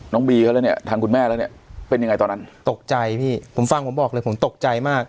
บีเขาแล้วเนี่ยทางคุณแม่แล้วเนี่ยเป็นยังไงตอนนั้นตกใจพี่ผมฟังผมบอกเลยผมตกใจมาก